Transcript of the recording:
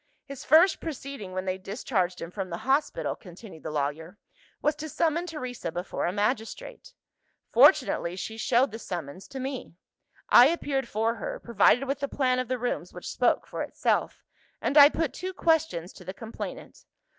"His first proceeding when they discharged him from the hospital," continued the lawyer, "was to summon Teresa before a magistrate. Fortunately she showed the summons to me. I appeared for her, provided with a plan of the rooms which spoke for itself; and I put two questions to the complainant.